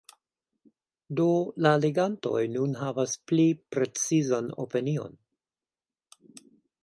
Do la legantoj nun havas pli precizan opinion.